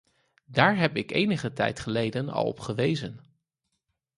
Daar heb ik enige tijd geleden al op gewezen.